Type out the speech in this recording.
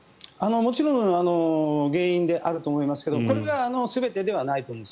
もちろん原因であると思いますがこれが全てではないと思います。